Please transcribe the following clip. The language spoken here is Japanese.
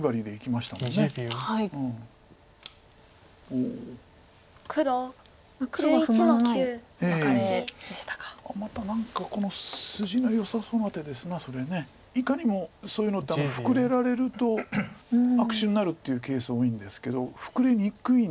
また何か筋のよさそうな手ですそれ。いかにもそういうのってフクレられると悪手になるっていうケース多いんですけどフクレにくいんですよね